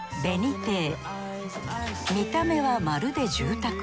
見た目はまるで住宅。